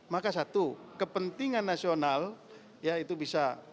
maka satu kepentingan nasional ya itu bisa